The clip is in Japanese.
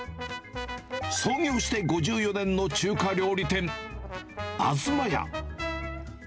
創業して５４年の中華料理店あづま家。